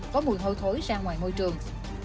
có mùi hôi thối ra ngoài môi trường